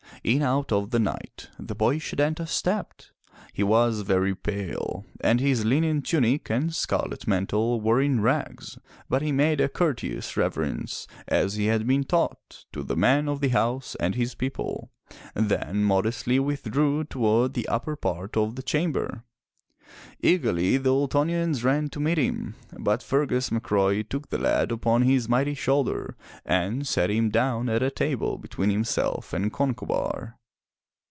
In out of the night the boy Setanta stepped. He was very pale, and his linen tunic and scarlet mantle were in rags, but he made a courteous reverence, as he had been taught, to the man of the house and his people, then modestly withdrew toward the upper part of the chamber. Eagerly the Ultonians ran to meet him, but Fergus McRoy took the lad upon his mighty shoulder and set him down at table between himself and Concobar.